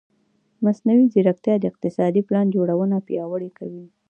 مصنوعي ځیرکتیا د اقتصادي پلان جوړونه پیاوړې کوي.